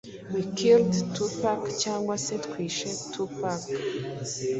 we killed Tupac cyangwa se twishe Tupac